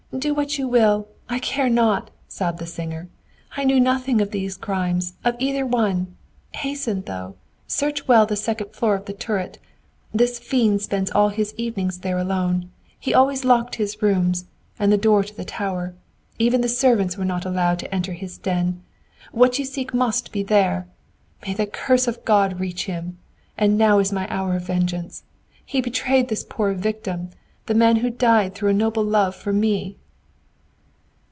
Do what you will; I care not," sobbed the singer. "I knew nothing of these crimes, of either one. Hasten, though. Search well the second floor of the turret. This fiend spent all his evenings there alone. He always locked his rooms, and the door into the tower. Even the servants were not allowed to enter his den! What you seek must be there! May the curse of God reach him! And now is my hour of vengeance. He betrayed this poor victim, the man who died through a noble love for me!"